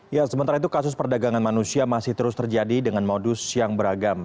ya sementara itu kasus perdagangan manusia masih terus terjadi dengan modus yang beragam